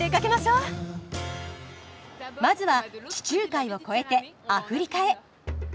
まずは地中海を越えてアフリカへ！